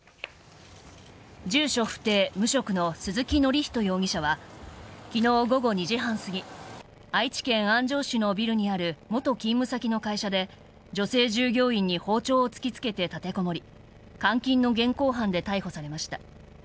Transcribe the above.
住所不定・無職の鈴木教仁容疑者は昨日午後２時半すぎ愛知県安城市のビルにある元勤務先の会社で女性従業員に包丁を突きつけて立てこもり監禁の現行犯で逮捕されました。